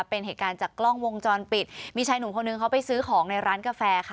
เป็นเหตุการณ์จากกล้องวงจรปิดมีชายหนุ่มคนนึงเขาไปซื้อของในร้านกาแฟค่ะ